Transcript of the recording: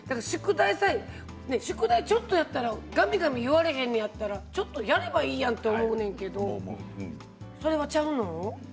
宿題ちょっとやったらがみがみ言われへんやったらちょっとやればいいやんと思うけど、それはちゃうの？